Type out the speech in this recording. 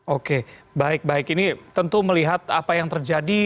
oke baik baik ini tentu melihat apa yang terjadi